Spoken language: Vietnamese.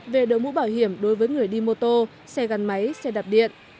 về đội mũ bảo hiểm đối với người đi mô tô xe gắn máy xe đạp điện